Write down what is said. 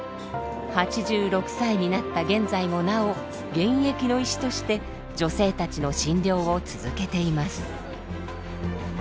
８６歳になった現在もなお現役の医師として女性たちの診療を続けています。